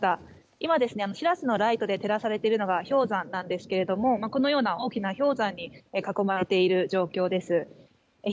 今、「しらせ」のライトで照らされているのが氷山なんですがこのような大きな氷山に囲まれている状況です。